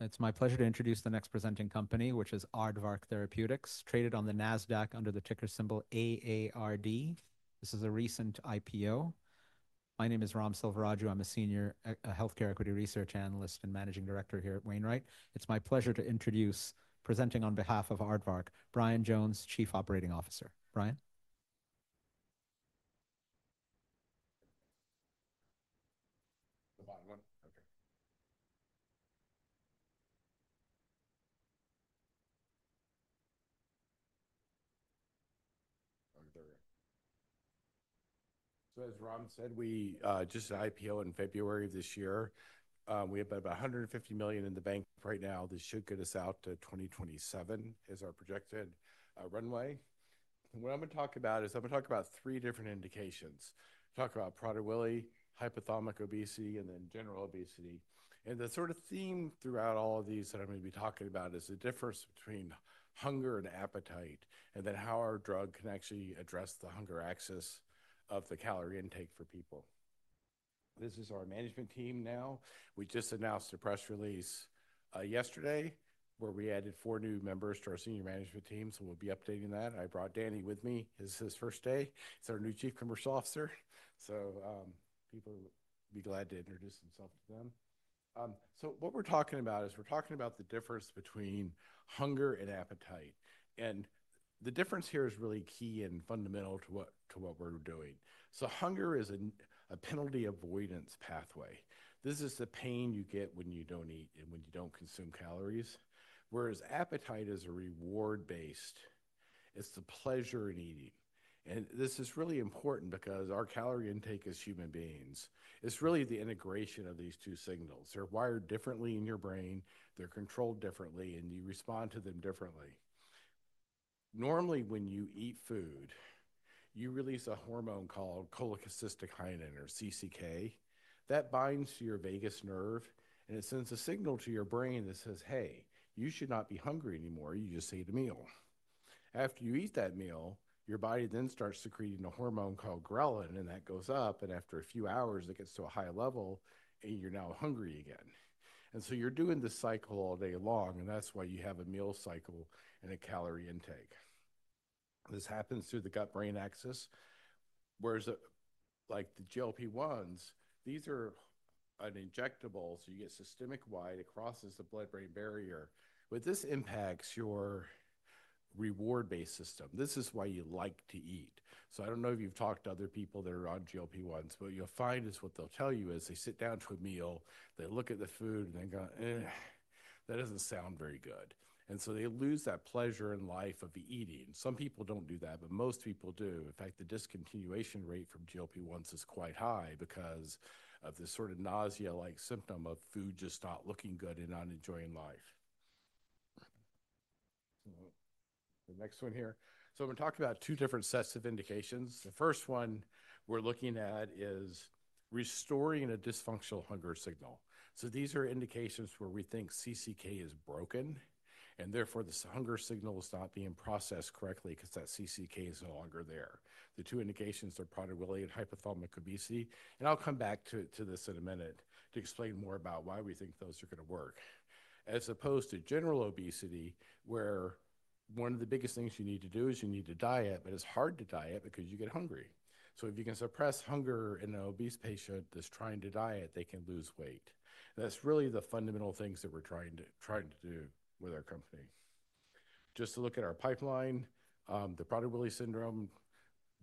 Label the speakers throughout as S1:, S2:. S1: It's my pleasure to introduce the next presenting company, which is Aardvark Therapeutics, traded on the NASDAQ under the ticker symbol AARD. This is a recent IPO. My name is Raghuram Selvaraju. I'm a senior healthcare equity research analyst and managing director here at Wainwright. It's my pleasure to introduce, presenting on behalf of Aardvark, Bryan Jones, Chief Operating Officer. Bryan?
S2: Come on. Okay. As Raghuram said, we just had IPO in February of this year. We have about $150 million in the bank right now. This should get us out to 2027 as our projected runway. What I'm going to talk about is I'm going to talk about three different indications. I'll talk about Prader-Willi, hypothalamic obesity, and then general obesity. The sort of theme throughout all of these that I'm going to be talking about is the difference between hunger and appetite, and then how our drug can actually address the hunger axis of the calorie intake for people. This is our management team now. We just announced a press release yesterday where we added four new members to our senior management team, so we'll be updating that. I brought Danny with me. This is his first day. He's our new Chief Commercial Officer. People will be glad to introduce himself to them. What we're talking about is we're talking about the difference between hunger and appetite. The difference here is really key and fundamental to what we're doing. Hunger is a penalty avoidance pathway. This is the pain you get when you don't eat and when you don't consume calories. Whereas appetite is reward-based. It's the pleasure in eating. This is really important because our calorie intake as human beings, it's really the integration of these two signals. They're wired differently in your brain. They're controlled differently, and you respond to them differently. Normally, when you eat food, you release a hormone called cholecystokinin, or CCK, that binds to your vagus nerve, and it sends a signal to your brain that says, "Hey, you should not be hungry anymore. You just ate a meal. After you eat that meal, your body then starts secreting a hormone called ghrelin, and that goes up, and after a few hours, it gets to a high level, and you're now hungry again. You are doing this cycle all day long, and that is why you have a meal cycle and a calorie intake. This happens through the gut-brain axis. Whereas the GLP-1s, these are an injectable, so you get systemic wide. It crosses the blood-brain barrier. This impacts your reward-based system. This is why you like to eat. I do not know if you have talked to other people that are on GLP-1s, but what you will find is what they will tell you is they sit down to a meal, they look at the food, and they go, that does not sound very good. They lose that pleasure in life of eating. Some people don't do that, but most people do. In fact, the discontinuation rate from GLP-1s is quite high because of this sort of nausea-like symptom of food just not looking good and not enjoying life. The next one here. I'm going to talk about two different sets of indications. The first one we're looking at is restoring a dysfunctional hunger signal. These are indications where we think CCK is broken, and therefore this hunger signal is not being processed correctly because that CCK is no longer there. The two indications are Prader-Willi and hypothalamic obesity. I'll come back to this in a minute to explain more about why we think those are going to work. As opposed to general obesity, where one of the biggest things you need to do is you need to diet, but it's hard to diet because you get hungry. If you can suppress hunger in an obese patient that's trying to diet, they can lose weight. That's really the fundamental things that we're trying to do with our company. Just to look at our pipeline, the Prader-Willi syndrome,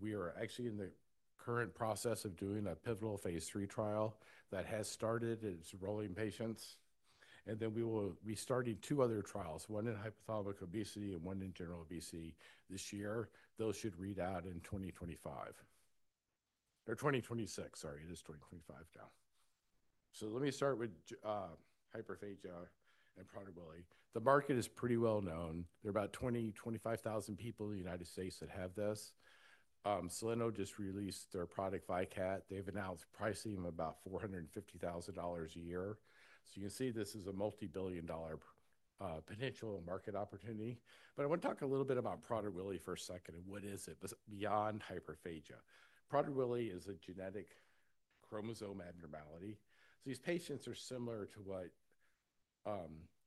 S2: we are actually in the current process of doing a pivotal phase three trial that has started. It's rolling patients. We will be starting two other trials, one in hypothalamic obesity and one in general obesity this year. Those should read out in 2025. Or 2026, sorry, it is 2025 now. Let me start with hyperphagia and Prader-Willi. The market is pretty well known. There are about 20,000-25,000 people in the United States that have this. Soleno just released their product, ViCat. They've announced pricing of about $450,000 a year. You can see this is a multi-billion dollar potential market opportunity. I want to talk a little bit about Prader-Willi for a second and what is it beyond hyperphagia. Prader-Willi is a genetic chromosome abnormality. These patients are similar to what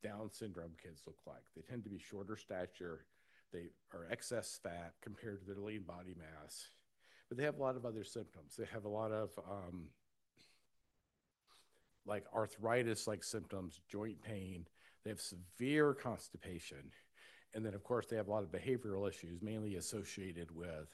S2: Down syndrome kids look like. They tend to be shorter stature. They are excess fat compared to their lean body mass. They have a lot of other symptoms. They have a lot of arthritis-like symptoms, joint pain. They have severe constipation. Of course, they have a lot of behavioral issues, mainly associated with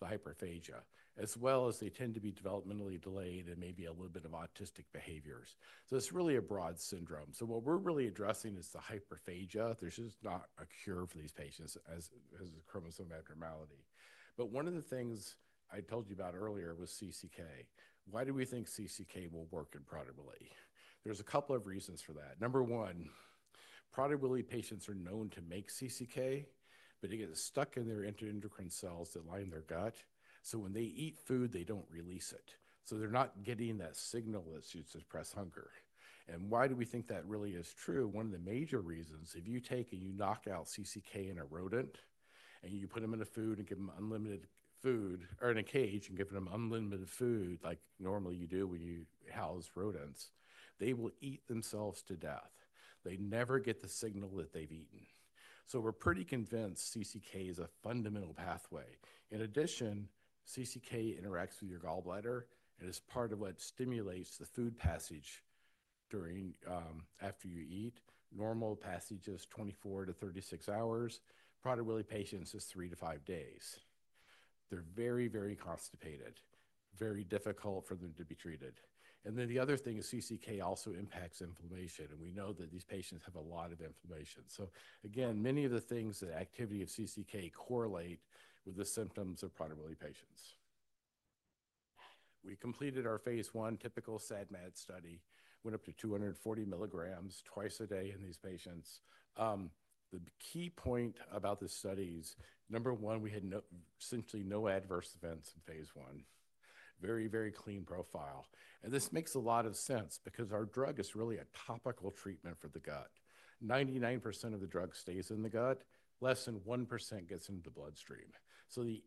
S2: the hyperphagia, as well as they tend to be developmentally delayed and maybe a little bit of autistic behaviors. It's really a broad syndrome. What we're really addressing is the hyperphagia. There's just not a cure for these patients as a chromosome abnormality. One of the things I told you about earlier was CCK. Why do we think CCK will work in Prader-Willi? There's a couple of reasons for that. Number one, Prader-Willi patients are known to make CCK, but it gets stuck in their intra-endocrine cells that line their gut. When they eat food, they don't release it. They're not getting that signal that should suppress hunger. Why do we think that really is true? One of the major reasons, if you take and you knock out CCK in a rodent and you put them in a cage and give them unlimited food, like normally you do when you house rodents, they will eat themselves to death. They never get the signal that they've eaten. We're pretty convinced CCK is a fundamental pathway. In addition, CCK interacts with your gallbladder. It is part of what stimulates the food passage after you eat. Normal passage is 24-36 hours. Prader-Willi patients is three to five days. They're very, very constipated. Very difficult for them to be treated. The other thing is CCK also impacts inflammation. We know that these patients have a lot of inflammation. Again, many of the things that activity of CCK correlate with the symptoms of Prader-Willi patients. We completed our phase I typical SADMAD study. Went up to 240 milligrams twice a day in these patients. The key point about the study is, number one, we had essentially no adverse events in phase I. Very, very clean profile. This makes a lot of sense because our drug is really a topical treatment for the gut. 99% of the drug stays in the gut. Less than 1% gets into the bloodstream. The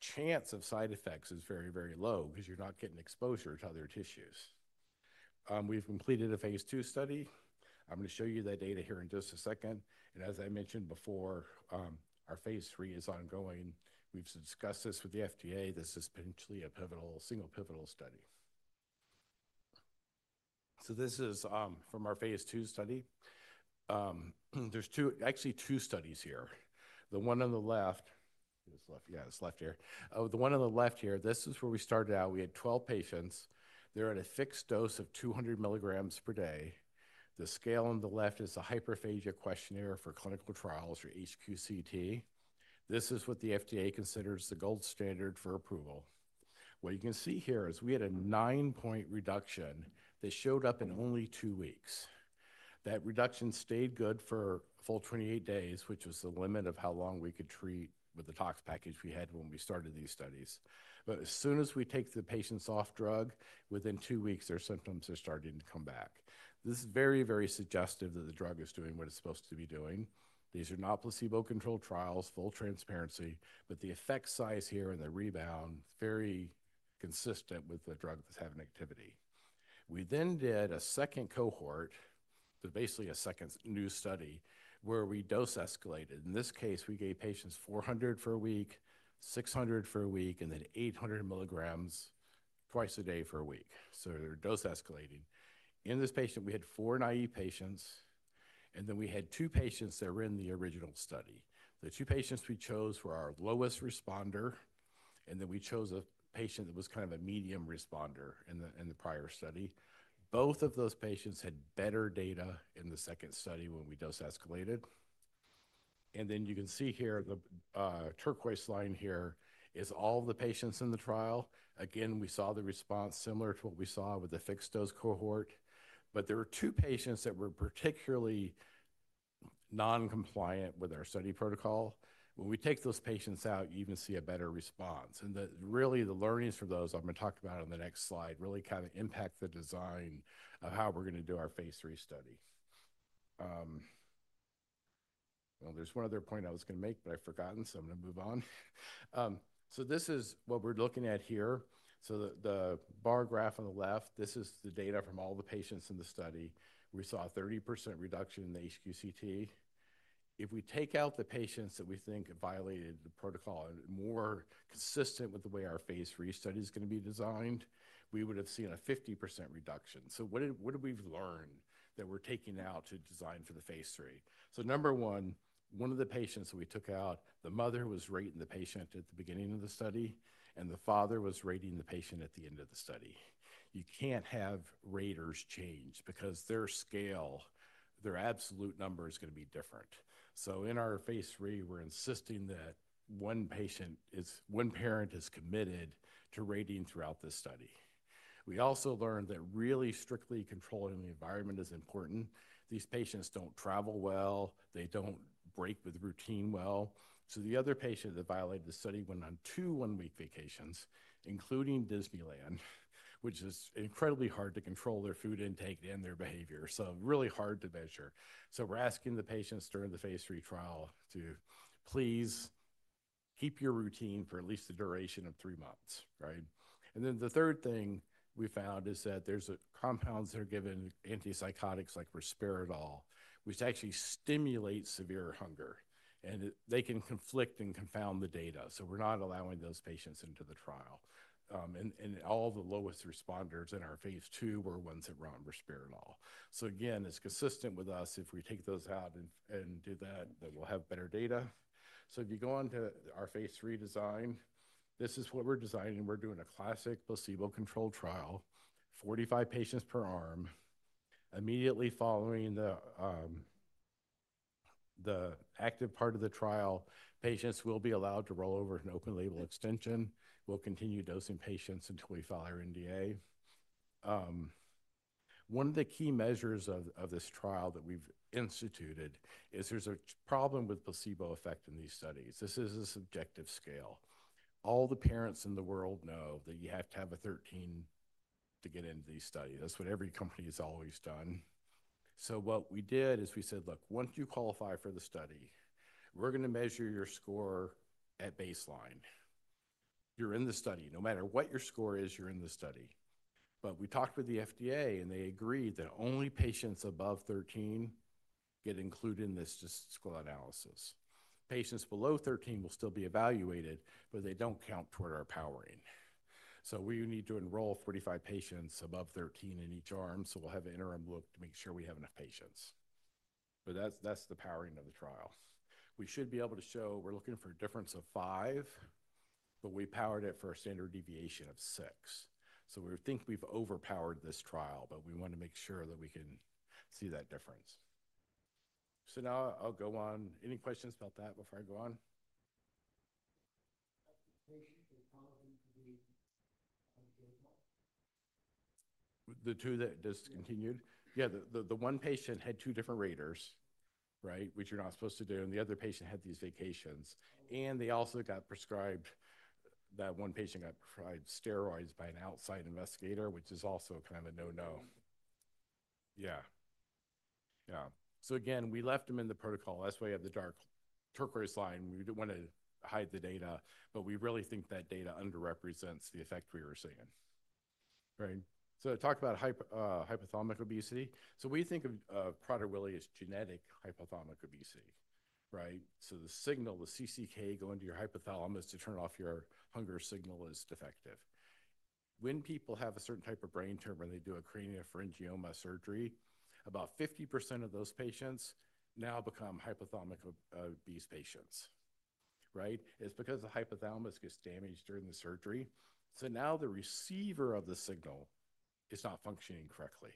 S2: chance of side effects is very, very low because you're not getting exposure to other tissues. We've completed a phase two study. I'm going to show you that data here in just a second. As I mentioned before, our phase three is ongoing. We've discussed this with the FDA. This is potentially a single pivotal study. This is from our phase two study. There are actually two studies here. The one on the left, it's left, yeah, it's left here. The one on the left here, this is where we started out. We had 12 patients. They're at a fixed dose of 200 milligrams per day. The scale on the left is a hyperphagia questionnaire for clinical trials for HQCT. This is what the FDA considers the gold standard for approval. What you can see here is we had a nine-point reduction that showed up in only two weeks. That reduction stayed good for a full 28 days, which was the limit of how long we could treat with the tox package we had when we started these studies. As soon as we take the patients off drug, within two weeks, their symptoms are starting to come back. This is very, very suggestive that the drug is doing what it's supposed to be doing. These are not placebo-controlled trials, full transparency, but the effect size here and the rebound is very consistent with the drug that's having activity. We then did a second cohort, basically a second new study where we dose escalated. In this case, we gave patients 400 for a week, 600 for a week, and then 800 milligrams twice a day for a week. They're dose escalating. In this patient, we had four naive patients, and then we had two patients that were in the original study. The two patients we chose were our lowest responder, and then we chose a patient that was kind of a medium responder in the prior study. Both of those patients had better data in the second study when we dose escalated. You can see here, the turquoise line here is all the patients in the trial. Again, we saw the response similar to what we saw with the fixed dose cohort, but there were two patients that were particularly non-compliant with our study protocol. When we take those patients out, you even see a better response. Really, the learnings from those, I'm going to talk about it on the next slide, really kind of impact the design of how we're going to do our phase three study. There is one other point I was going to make, but I've forgotten, so I'm going to move on. This is what we're looking at here. The bar graph on the left, this is the data from all the patients in the study. We saw a 30% reduction in the HQCT. If we take out the patients that we think violated the protocol and more consistent with the way our phase three study is going to be designed, we would have seen a 50% reduction. What have we learned that we're taking out to design for the phase three? Number one, one of the patients that we took out, the mother was rating the patient at the beginning of the study, and the father was rating the patient at the end of the study. You can't have raters change because their scale, their absolute number is going to be different. In our phase three, we're insisting that one parent is committed to rating throughout this study. We also learned that really strictly controlling the environment is important. These patients don't travel well. They don't break the routine well. The other patient that violated the study went on two one-week vacations, including Disneyland, which is incredibly hard to control their food intake and their behavior. Really hard to measure. We're asking the patients during the phase three trial to please keep your routine for at least the duration of three months, right? The third thing we found is that there are compounds that are given, antipsychotics like Risperdal, which actually stimulate severe hunger. They can conflict and confound the data. We are not allowing those patients into the trial. All the lowest responders in our phase two were ones that were on Risperdal. It is consistent with us. If we take those out and do that, then we will have better data. If you go on to our phase three design, this is what we are designing. We are doing a classic placebo-controlled trial, 45 patients per arm. Immediately following the active part of the trial, patients will be allowed to roll over into an open label extension. We will continue dosing patients until we file our NDA. One of the key measures of this trial that we have instituted is there is a problem with placebo effect in these studies. This is a subjective scale. All the parents in the world know that you have to have a 13 to get into these studies. That's what every company has always done. What we did is we said, "Look, once you qualify for the study, we're going to measure your score at baseline. You're in the study. No matter what your score is, you're in the study." We talked with the FDA, and they agreed that only patients above 13 get included in this just to school analysis. Patients below 13 will still be evaluated, but they don't count toward our powering. We need to enroll 45 patients above 13 in each arm. We'll have an interim look to make sure we have enough patients. That's the powering of the trial. We should be able to show we're looking for a difference of five, but we powered it for a standard deviation of six. We think we've overpowered this trial, but we want to make sure that we can see that difference. Now I'll go on. Any questions about that before I go on? The two that discontinued? Yeah, the one patient had two different raters, right, which you're not supposed to do. The other patient had these vacations. They also got prescribed, that one patient got prescribed steroids by an outside investigator, which is also kind of a no-no. Yeah. Yeah. We left them in the protocol. That's why we have the dark turquoise line. We didn't want to hide the data, but we really think that data underrepresents the effect we were seeing. Right? Talk about hypothalamic obesity. We think of Prader-Willi as genetic hypothalamic obesity, right? The signal, the CCK going to your hypothalamus to turn off your hunger signal, is defective. When people have a certain type of brain tumor, they do a craniopharyngioma surgery, about 50% of those patients now become hypothalamic obese patients, right? It's because the hypothalamus gets damaged during the surgery. Now the receiver of the signal is not functioning correctly.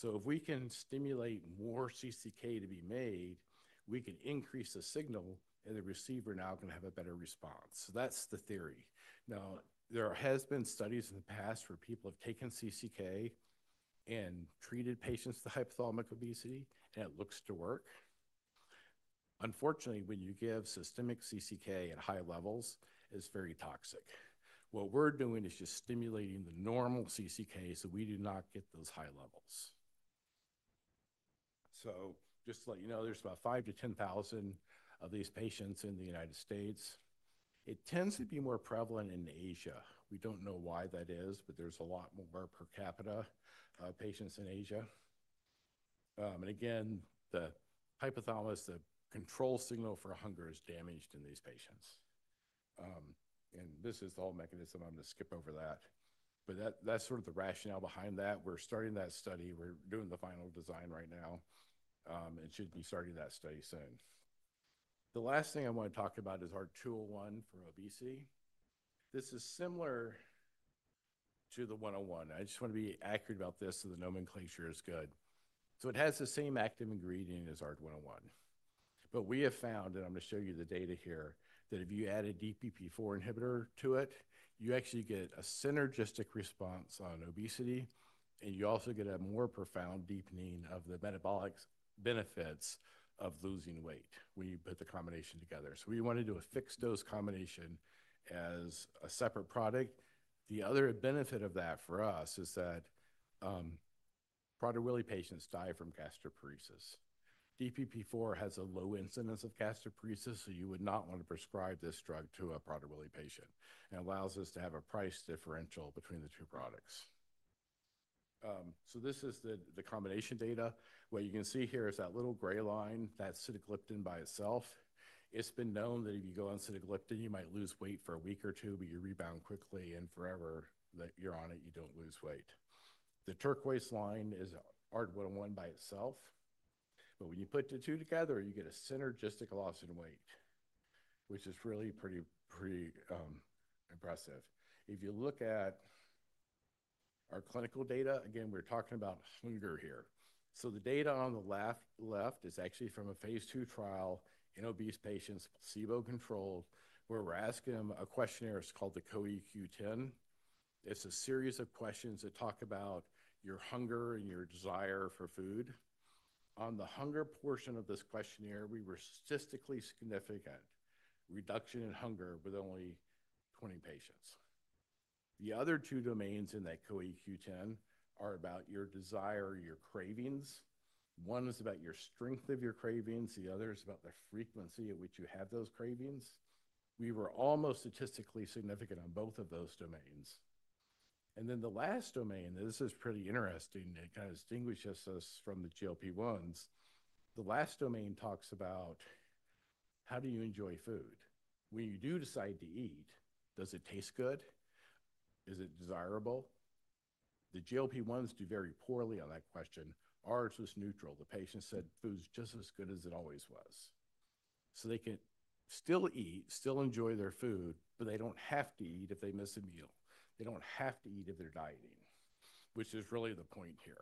S2: If we can stimulate more CCK to be made, we can increase the signal, and the receiver now can have a better response. That's the theory. There have been studies in the past where people have taken CCK and treated patients with hypothalamic obesity, and it looks to work. Unfortunately, when you give systemic CCK at high levels, it's very toxic. What we're doing is just stimulating the normal CCK so we do not get those high levels. Just to let you know, there's about 5,000-10,000 of these patients in the United States. It tends to be more prevalent in Asia. We don't know why that is, but there's a lot more per capita patients in Asia. The hypothalamus, the control signal for hunger, is damaged in these patients. This is the whole mechanism. I'm going to skip over that. That's sort of the rationale behind that. We're starting that study. We're doing the final design right now. It should be starting that study soon. The last thing I want to talk about is ARD-201 for obesity. This is similar to the 101. I just want to be accurate about this so the nomenclature is good. It has the same active ingredient as ARD-101. We have found, and I'm going to show you the data here, that if you add a DPP-4 inhibitor to it, you actually get a synergistic response on obesity, and you also get a more profound deepening of the metabolic benefits of losing weight when you put the combination together. We want to do a fixed dose combination as a separate product. The other benefit of that for us is that Prader-Willi patients die from gastroparesis. DPP-4 has a low incidence of gastroparesis, so you would not want to prescribe this drug to a Prader-Willi patient. It allows us to have a price differential between the two products. This is the combination data. What you can see here is that little gray line, that's sitagliptin by itself. It's been known that if you go on sitagliptin, you might lose weight for a week or two, but you rebound quickly and forever that you're on it, you don't lose weight. The turquoise line is ARD-101 by itself. When you put the two together, you get a synergistic loss in weight, which is really pretty impressive. If you look at our clinical data, again, we're talking about hunger here. The data on the left is actually from a phase two trial in obese patients' placebo control, where we're asking a questionnaire. It's called the COEQ-10. It's a series of questions that talk about your hunger and your desire for food. On the hunger portion of this questionnaire, we were statistically significant reduction in hunger with only 20 patients. The other two domains in that COEQ-10 are about your desire, your cravings. One is about your strength of your cravings. The other is about the frequency at which you have those cravings. We were almost statistically significant on both of those domains. The last domain, this is pretty interesting. It kind of distinguishes us from the GLP-1s. The last domain talks about how do you enjoy food. When you do decide to eat, does it taste good? Is it desirable? The GLP-1s do very poorly on that question. Ours was neutral. The patient said food's just as good as it always was. They can still eat, still enjoy their food, but they do not have to eat if they miss a meal. They do not have to eat if they are dieting, which is really the point here.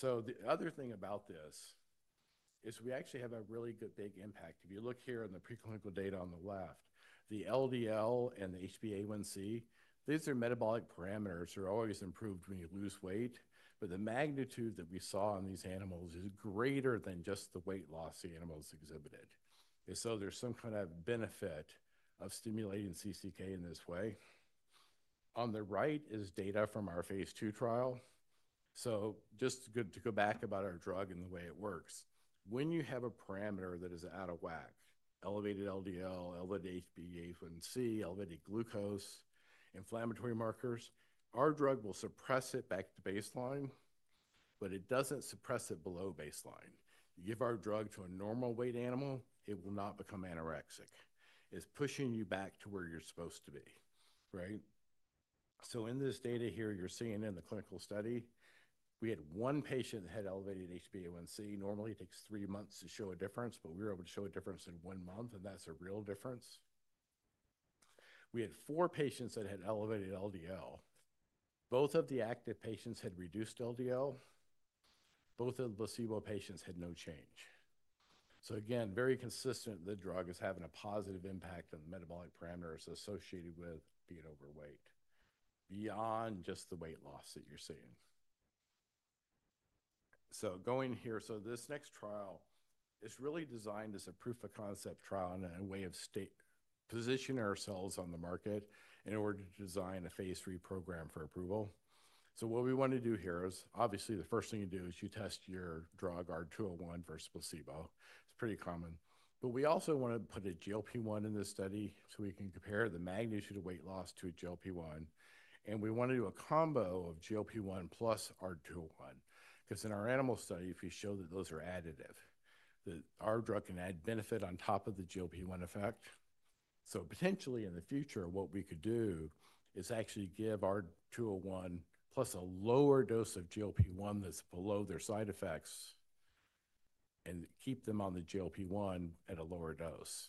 S2: The other thing about this is we actually have a really good big impact. If you look here in the preclinical data on the left, the LDL and the HbA1c, these are metabolic parameters that are always improved when you lose weight, but the magnitude that we saw on these animals is greater than just the weight loss the animals exhibited. There is some kind of benefit of stimulating CCK in this way. On the right is data from our phase two trial. Just good to go back about our drug and the way it works. When you have a parameter that is out of whack, elevated LDL, elevated HbA1c, elevated glucose, inflammatory markers, our drug will suppress it back to baseline, but it does not suppress it below baseline. You give our drug to a normal weight animal, it will not become anorexic. It is pushing you back to where you are supposed to be, right? In this data here, you're seeing in the clinical study, we had one patient that had elevated HbA1c. Normally, it takes three months to show a difference, but we were able to show a difference in one month, and that's a real difference. We had four patients that had elevated LDL. Both of the active patients had reduced LDL. Both of the placebo patients had no change. Again, very consistent, the drug is having a positive impact on the metabolic parameters associated with being overweight, beyond just the weight loss that you're seeing. Going here, this next trial is really designed as a proof of concept trial and a way of positioning ourselves on the market in order to design a phase three program for approval. What we want to do here is, obviously, the first thing you do is you test your drug, ARD-201, versus placebo. It's pretty common. We also want to put a GLP-1 in this study so we can compare the magnitude of weight loss to a GLP-1. We want to do a combo of GLP-1 plus ARD-201. Because in our animal study, if you show that those are additive, that our drug can add benefit on top of the GLP-1 effect. Potentially in the future, what we could do is actually give ARD-201 plus a lower dose of GLP-1 that's below their side effects and keep them on the GLP-1 at a lower dose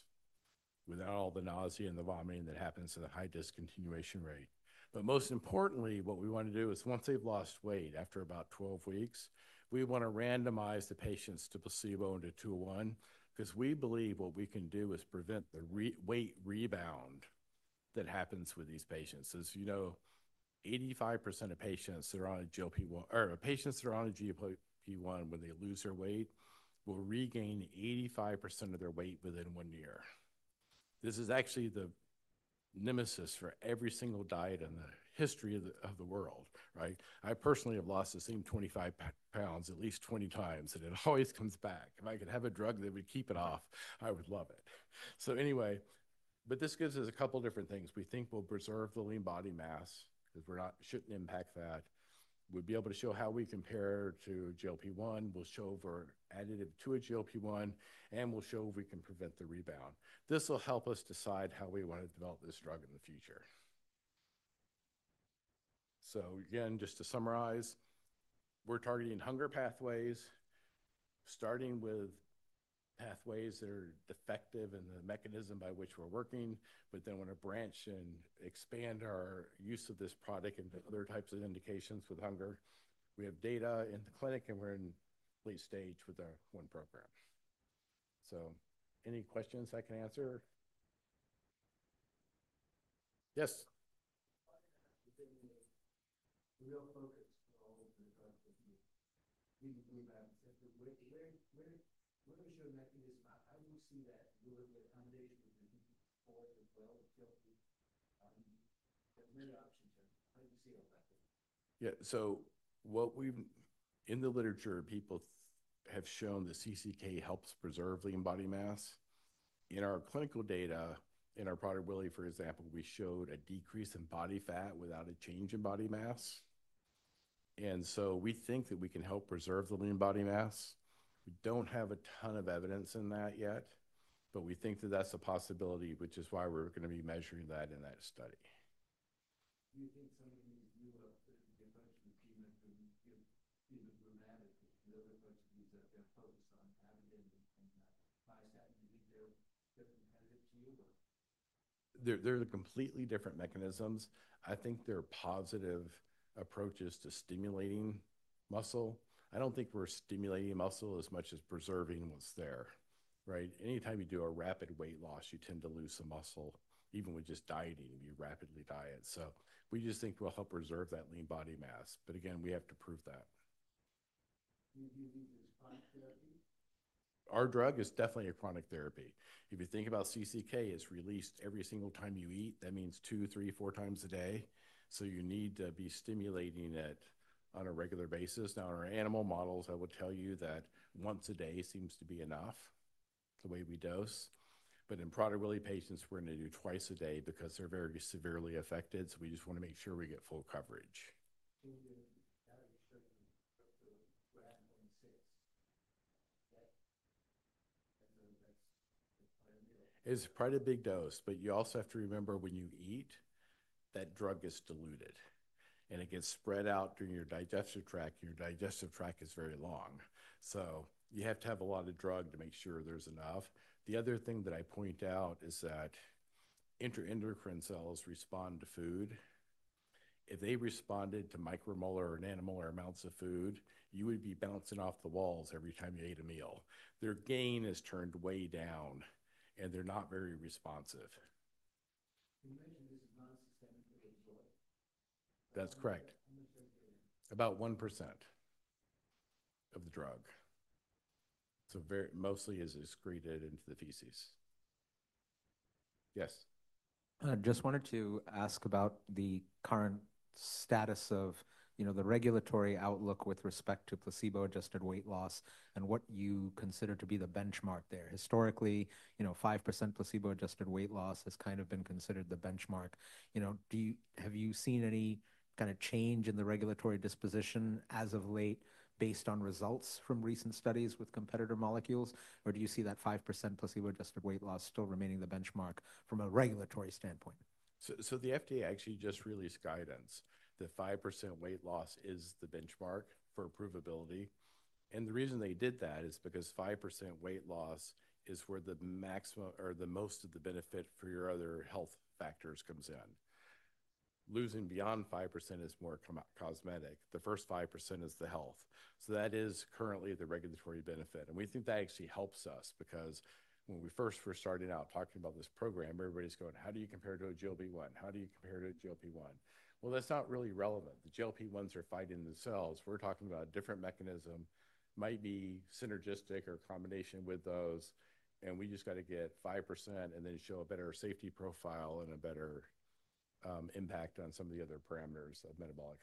S2: without all the nausea and the vomiting that happens to the high discontinuation rate. Most importantly, what we want to do is once they've lost weight after about 12 weeks, we want to randomize the patients to placebo and to 201 because we believe what we can do is prevent the weight rebound that happens with these patients. As you know, 85% of patients that are on a GLP-1 or patients that are on a GLP-1 when they lose their weight will regain 85% of their weight within one year. This is actually the nemesis for every single diet in the history of the world, right? I personally have lost the same 25 pounds at least 20 times, and it always comes back. If I could have a drug that would keep it off, I would love it. This gives us a couple of different things. We think we'll preserve the lean body mass because we should not impact that. We'll be able to show how we compare to GLP-1. We'll show if we're additive to a GLP-1, and we'll show if we can prevent the rebound. This will help us decide how we want to develop this drug in the future. Just to summarize, we're targeting hunger pathways, starting with pathways that are defective in the mechanism by which we're working, but then want to branch and expand our use of this product into other types of indications with hunger. We have data in the clinic, and we're in late stage with our one program. Any questions I can answer? Yes. Within the real focus for all of the drugs that you really believe happens, what are some mechanisms? How do you see that with the accommodation for the GLP-1? How do you see it affected? Yeah. What we in the literature, people have shown that CCK helps preserve lean body mass. In our clinical data, in our Prader-Willi, for example, we showed a decrease in body fat without a change in body mass. We think that we can help preserve the lean body mass. We do not have a ton of evidence in that yet, but we think that is a possibility, which is why we are going to be measuring that in that study. Do you think some of these newer differentials seem like they are going to be a bit dramatic because the other parts of these that they are focused on, additives and that, why is that? Do you think they are competitive to you or? They are completely different mechanisms. I think they are positive approaches to stimulating muscle. I do not think we are stimulating muscle as much as preserving what is there, right? Anytime you do a rapid weight loss, you tend to lose some muscle. Even with just dieting, you rapidly diet. We just think we'll help preserve that lean body mass. Again, we have to prove that. Do you think it's chronic therapy? Our drug is definitely a chronic therapy. If you think about CCK, it's released every single time you eat. That means two, three, four times a day. You need to be stimulating it on a regular basis. Now, in our animal models, I would tell you that once a day seems to be enough. It's the way we dose. In Prader-Willi patients, we're going to do twice a day because they're very severely affected. We just want to make sure we get full coverage. It's quite a big dose, but you also have to remember when you eat, that drug is diluted. It gets spread out through your digestive tract, and your digestive tract is very long. You have to have a lot of drug to make sure there's enough. The other thing that I point out is that intra-endocrine cells respond to food. If they responded to micromolar or nanomolar amounts of food, you would be bouncing off the walls every time you ate a meal. Their gain is turned way down, and they're not very responsive. You mentioned this is non-systemically employed. That's correct. About 1% of the drug. Mostly it is secreted into the feces. I just wanted to ask about the current status of the regulatory outlook with respect to placebo-adjusted weight loss and what you consider to be the benchmark there. Historically, 5% placebo-adjusted weight loss has kind of been considered the benchmark. Have you seen any kind of change in the regulatory disposition as of late based on results from recent studies with competitor molecules, or do you see that 5% placebo-adjusted weight loss still remaining the benchmark from a regulatory standpoint? The FDA actually just released guidance that 5% weight loss is the benchmark for approvability. The reason they did that is because 5% weight loss is where the maximum or the most of the benefit for your other health factors comes in. Losing beyond 5% is more cosmetic. The first 5% is the health. That is currently the regulatory benefit. We think that actually helps us because when we first were starting out talking about this program, everybody's going, "How do you compare to a GLP-1? How do you compare to a GLP-1?" That is not really relevant. The GLP-1s are fighting themselves. We're talking about a different mechanism. It might be synergistic or a combination with those. We just got to get 5% and then show a better safety profile and a better impact on some of the other parameters of metabolic.